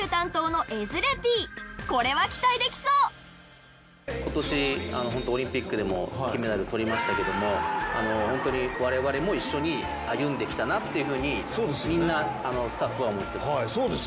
これは期待できそう今年ホントオリンピックでも金メダル獲りましたけどもホントに我々も一緒に歩んできたなっていうふうにみんなスタッフは思ってます。